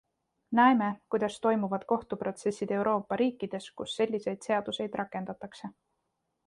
Näeme, kuidas toimuvad kohtuprotsessid Euroopa riikides, kus selliseid seaduseid rakendatakse.